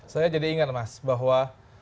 saya jadi ingat mas bahwa